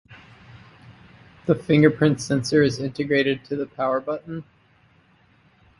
The fingerprint sensor is integrated to the power button.